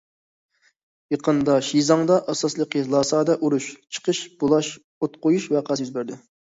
يېقىندا شىزاڭدا، ئاساسلىقى لاسادا ئۇرۇش، چېقىش، بۇلاش، ئوت قويۇش ۋەقەسى يۈز بەردى.